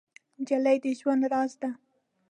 نجلۍ د ژوند راز ده.